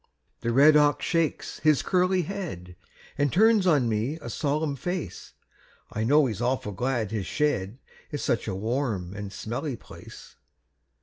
The red ox shakes his curly head, An' turns on me a solemn face; I know he's awful glad his shed Is such a warm and smelly place.